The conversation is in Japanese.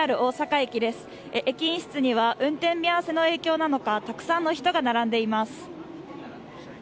駅員室には運転見合わせの影響なのかたくさんの人が並んでいます。